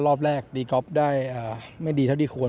รอบแรกตีก๊อฟได้ไม่ดีเท่าที่ควร